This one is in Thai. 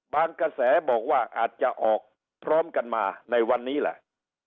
กระแสบอกว่าอาจจะออกพร้อมกันมาในวันนี้แหละ